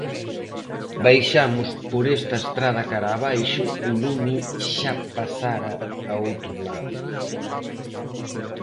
Baixamos por esta estrada cara abaixo, o lume xa pasara a outro lado.